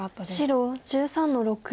白１３の六。